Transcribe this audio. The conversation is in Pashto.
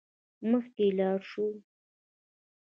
مخکې لاړ شو.